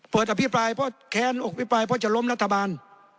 อภิปรายเพราะแคนอกพิปรายเพราะจะล้มรัฐบาล